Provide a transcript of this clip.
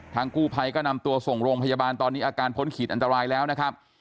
กู้ภัยก็นำตัวส่งโรงพยาบาลตอนนี้อาการพ้นขีดอันตรายแล้วนะครับ